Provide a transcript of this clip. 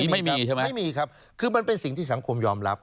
ไม่มีครับคือมันเป็นสิ่งที่สังคมยอมรับ